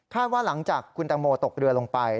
ว่าหลังจากคุณตังโมตกเรือลงไป